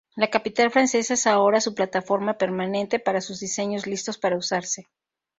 La capital francesa es ahora su plataforma permanente para sus diseños listos para usarse.